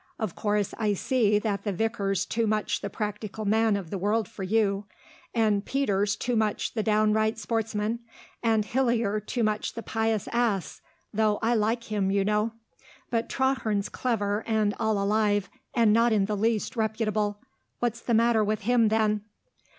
Of course, I see that the vicar's too much the practical man of the world for you, and Peters too much the downright sportsman, and Hillier too much the pious ass (though I like him, you know). But Traherne's clever and all alive, and not in the least reputable. What's the matter with him, then?"